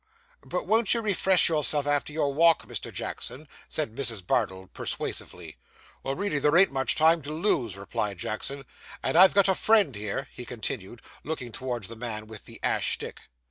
'But won't you refresh yourself after your walk, Mr. Jackson?' said Mrs. Bardell persuasively. 'Why, really there ain't much time to lose,' replied Jackson; 'and I've got a friend here,' he continued, looking towards the man with the ash stick.